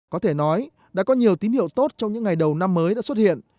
có thể nói đã có nhiều tín hiệu tốt trong những ngày đầu năm mới đã xuất hiện